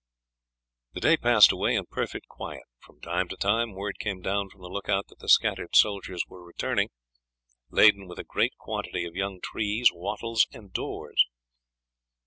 The day passed away in perfect quiet. From time to time word came down from the look out that the scattered soldiers were returning laden with a great quantity of young trees, wattles, and doors.